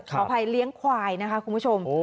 ขออภัยเลี้ยงควายนะคะคุณผู้ชม